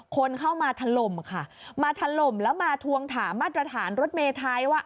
คนเข้ามาถล่มค่ะมาถล่มแล้วมาทวงถามมาตรฐานรถเมไทยว่า